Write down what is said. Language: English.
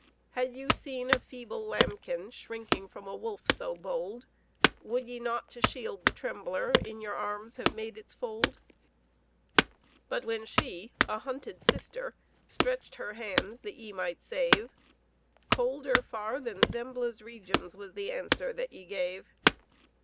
Had you seen a feeble lambkin, Shrinking from a wolf so bold, Would ye not to shield the trembler, In your arms have made its fold? But when she, a hunted sister, Stretched her hands that ye might save, Colder far than Zembla's regions Was the answer that ye gave.